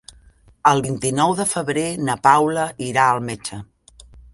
El vint-i-nou de febrer na Paula irà al metge.